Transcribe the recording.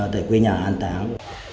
tại quê nhà an táng